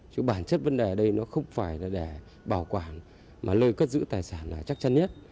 chứ bản chất vấn đề ở đây nó không phải là để bảo quản mà lơi cất giữ tài sản là chắc chắn nhất